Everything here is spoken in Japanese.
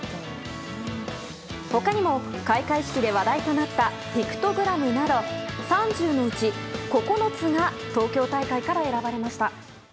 他に開会式で話題となったピクトグラムなど３０のうち９つが東京大会から選ばれました。